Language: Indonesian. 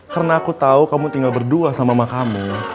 karena aku tau kamu tinggal berdua sama mama kamu